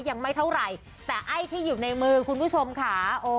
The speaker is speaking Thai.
ยังไม่เท่าไหร่แต่ไอ้ที่อยู่ในมือคุณผู้ชมค่ะ